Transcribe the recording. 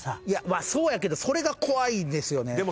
いやまあそうやけどそれが怖いですよね。